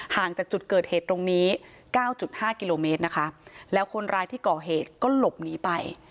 ห่างจากจุดเกิดเหตุตรงนี้เก้าจุดห้ากิโลเมตรนะคะแล้วคนร้ายที่ก่อเหตุก็หลบหนีไป